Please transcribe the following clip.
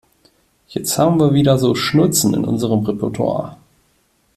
Jetzt haben wir wieder so Schnulzen in unserem Repertoir.